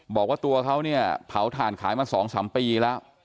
บอกว่าตัวเขาเนี่ยเผาถ่านขายมา๒๓ปีแล้ว